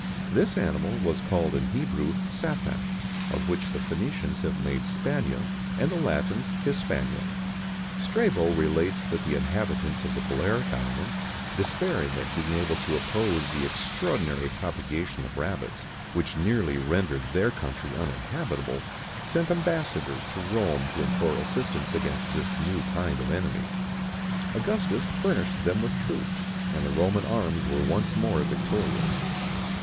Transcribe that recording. This animal was called in Hebrew, Saphan, of which the Phœnicians have made Spania, and the Latins Hispania.[XIX 104] Strabo relates that the inhabitants of the Balearic Islands, despairing of being able to oppose the extraordinary propagation of rabbits, which nearly rendered their country uninhabitable, sent ambassadors to Rome to implore assistance against this new kind of enemy.[XIX 105] Augustus furnished them with troops, and the Roman arms were once more victorious.